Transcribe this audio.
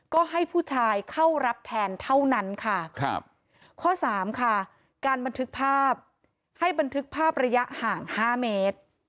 ก็ให้ผู้ชายเข้ารับแทนเท่านั้นค่ะข้อสามค่ะการบันทึกภาพให้บันทึกภาพระยะห่าง๕เมตร